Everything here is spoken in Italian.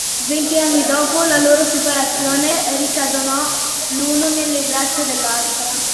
Venti anni dopo la loro separazione ricadono l’uno nelle braccia dell’altra.